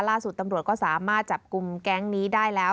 ล่าสุดตำรวจก็สามารถจับกลุ่มแก๊งนี้ได้แล้ว